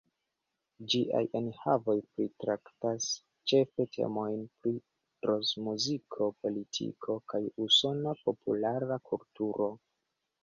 Ĝiaj enhavoj pritraktas ĉefe temojn pri rokmuziko, politiko, kaj usona populara kulturo.